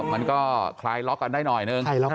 มันก็คลายล็อกกันได้หน่อยนึง